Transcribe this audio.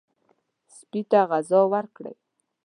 سپي ته غذا ورکړئ.